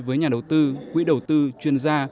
với nhà đầu tư quỹ đầu tư chuyên gia